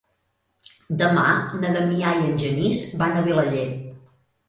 Demà na Damià i en Genís van a Vilaller.